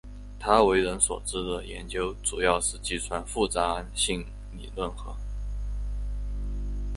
他为人所知的研究主要是计算复杂性理论和。